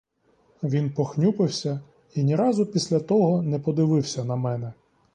Він похнюпився і ні разу після того не подивився на мене.